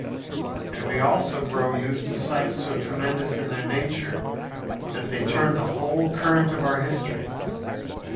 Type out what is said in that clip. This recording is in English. "And we also grow used to sights so tremendous in their nature that they turn the whole current of our history.